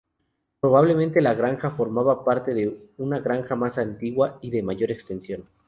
Probablemente la granja formaba parte de una granja más antigua y de mayor extensión.